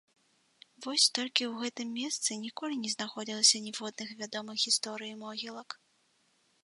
Вось толькі ў гэтым месцы ніколі не знаходзілася ніводных вядомых гісторыі могілак.